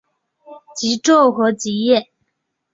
极昼和极夜。